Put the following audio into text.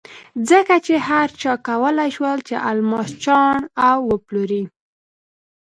ځکه چې هر چا کولای شول چې الماس چاڼ او وپلوري.